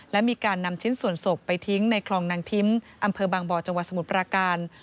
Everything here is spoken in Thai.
และมีการนำชิ้นส่วนศพไปทิ้งในคลองนางทิ้มอำเภอบางบ่อจังหวัดสมุทรปราการ